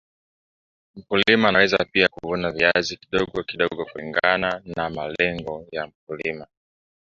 mkulima anaweza pia kuvuna viazi kidogo kidogo kulingana na malengo ya mkulima